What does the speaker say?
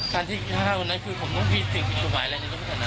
การที่๕วันนั้นคือผมต้องพิสูจน์ผิดจุดหมายและนิดหนึ่งกว่านั้น